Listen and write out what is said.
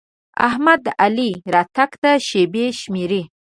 احمد د علي راتګ ته شېبې شمېري.